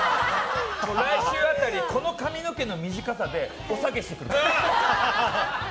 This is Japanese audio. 来週辺りこの髪の毛の短さでおさげしてくると思う。